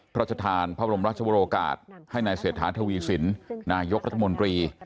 พระชธานพระบรมราชวรกาศให้นายเศรษฐาทวีสินนายกรัฐมนตรี